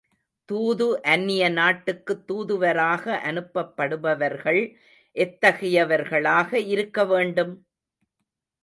தூது அந்நிய நாட்டுக்குத் தூதுவராக அனுப்பப்படுபவர்கள் எத்தகையவர்களாக இருக்க வேண்டும்?